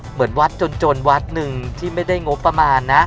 เหมือนวัดจนวัดหนึ่งที่ไม่ได้งบประมาณนะ